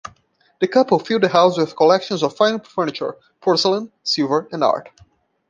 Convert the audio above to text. The couple filled the house with collections of fine furniture, porcelain, silver and art.